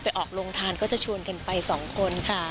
ออกโรงทานก็จะชวนกันไปสองคนค่ะ